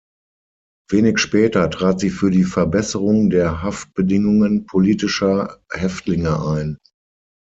Wenig später trat sie für die Verbesserung der Haftbedingungen politischer Häftlinge ein.